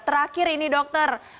terakhir ini dokter